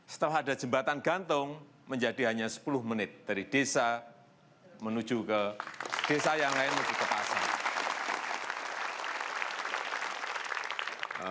setelah ada jembatan gantung menjadi hanya sepuluh menit dari desa menuju ke desa yang lain menuju ke pasar